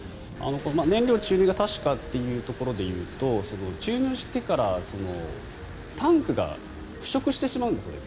燃料注入が確かというところでいうと注入してからタンクが腐食してしまうんですよね。